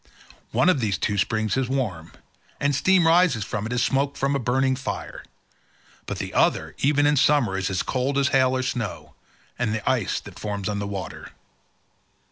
One of these two springs is warm, and steam rises from it as smoke from a burning fire, but the other even in summer is as cold as hail or snow, or the ice that forms on water.